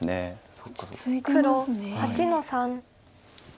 黒８の三。